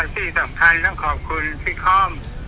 ส่วนที่สำคัญขอบคุณพี่คร่อม